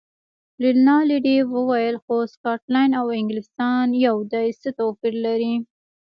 رینالډي وویل: خو سکاټلنډ او انګلیستان یو دي، څه توپیر لري.